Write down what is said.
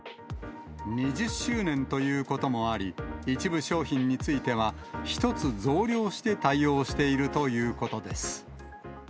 ２０周年ということもあり、一部商品については、１つ増量して対応しているということです。